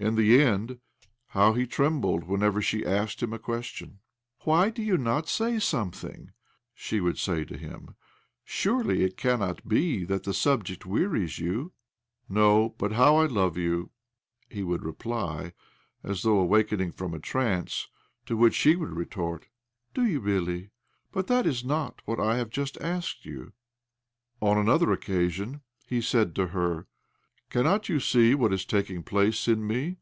In the end how he trembled whenever she asked him a question !" Why do you not say something ?" she would say to him. " Surely it cannot be that the subject wearies you ?"" No, but how I love you !" he would reply, as though awakening from a trance ; to which she would retort— "Do you really ? But that is not what I have just asked you." On another occasion he said to her— " Cannot you see what is taking place in me?